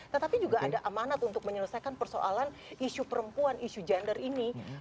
tetapi juga ada amanat untuk menyelesaikan persoalan isu perempuan isu gender ini